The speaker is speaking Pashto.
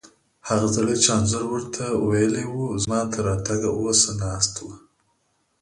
هغه سړی چې انځور ور ته ویلي وو، زما تر راتګه اوسه ناست و.